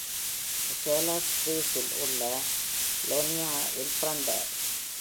Massalas, கிரீஸில் உள்ள Ioannina-வில் பிறந்தார்.